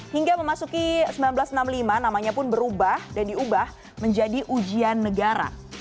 hingga memasuki seribu sembilan ratus enam puluh lima namanya pun berubah dan diubah menjadi ujian negara